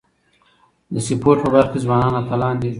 د سپورټ په برخه کي ځوانان اتلان دي.